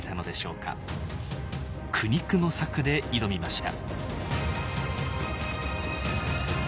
苦肉の策で挑みました。